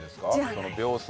その秒数。